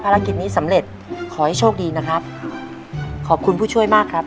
ภารกิจนี้สำเร็จขอให้โชคดีนะครับขอบคุณผู้ช่วยมากครับ